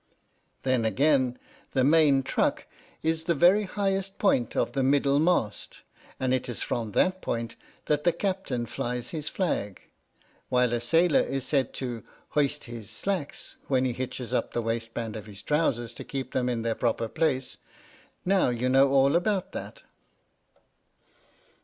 Then again, the main truck is the very highest point of the middle mast, and it is from that point that the Captain flies his flag, while a sailor is said to "hoist his slacks" when he hitches up the waist band of his trousers to keep them in their proper place. Now you know all about that.